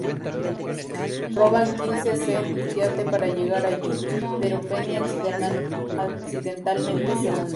Roban Quince Cent yate para llegar allí, pero Penny accidentalmente se hunde.